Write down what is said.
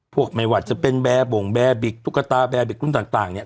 ไม่ว่าจะเป็นแบร์บ่งแบร์บิกตุ๊กตาแบร์บิกรุ่นต่างเนี่ย